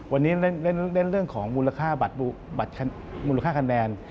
วันนี้เล่นเรื่องของมูลค่ามูลค่าคะแนน